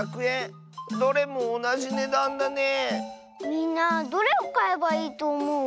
みんなどれをかえばいいとおもう？